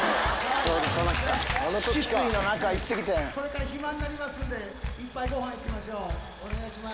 これから暇になりますんでいっぱいご飯行きましょう。